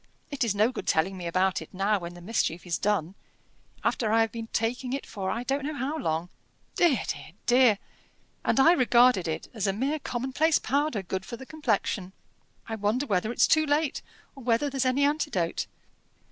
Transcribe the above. It is no good telling me about it now, when the mischief is done, after I have been taking it for I don't know how long. Dear! dear! dear! and I regarded it as a mere commonplace powder, good for the complexion. I wonder whether it's too late, or whether there's any antidote?"